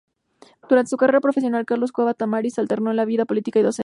Durante su carrera profesional, Carlos Cueva Tamariz alternó entre la vida política y docente.